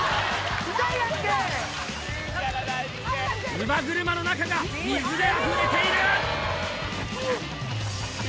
乳母車の中が水であふれている！